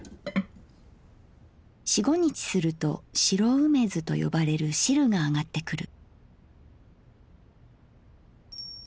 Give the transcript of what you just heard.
四五日すると白梅酢とよばれる汁があがってくる」。